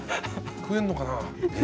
食えるのかな。